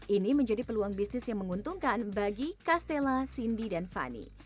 ini menjadi peluang bisnis yang menguntungkan bagi castella cindy dan fani